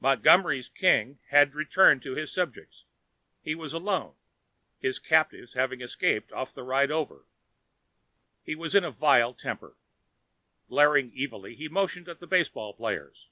Montgomery's king had returned to his subjects. He was alone his captives having escaped off the ride over and he was in vile temper. Glaring evilly, he motioned at the baseball players.